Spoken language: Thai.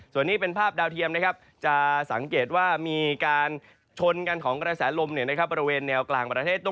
ส่วนนี้เป็นภาพดาวเทียมนะครับจะสังเกตว่ามีการชนกันของกระแสลมบริเวณแนวกลางประเทศ